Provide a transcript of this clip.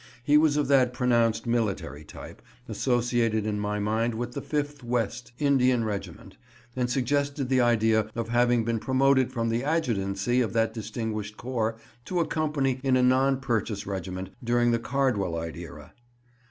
He was of that pronounced military type associated in my mind with the Fifth West Indian Regiment, and suggested the idea of having been promoted from the adjutantcy of that distinguished corps to a company in a non purchase regiment during the Cardwellite era.